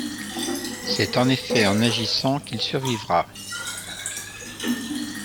C’est en effet en agissant qu’il survivra.